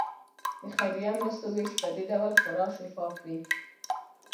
د خیریه مرستو ویش په دې ډول خورا شفاف وي.